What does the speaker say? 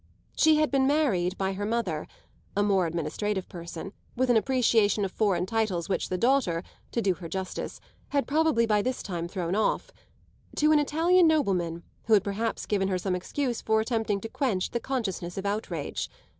She had been married by her mother a more administrative person, with an appreciation of foreign titles which the daughter, to do her justice, had probably by this time thrown off to an Italian nobleman who had perhaps given her some excuse for attempting to quench the consciousness of outrage.